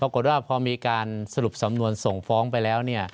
ปรากฏว่าพอมีการสรุปสำนวนส่งฟ้องไปแล้ว